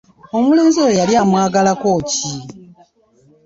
Omulenzi oyo yali amwagalako ki?